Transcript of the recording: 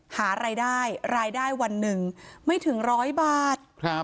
หารายได้รายได้วันหนึ่งไม่ถึงร้อยบาท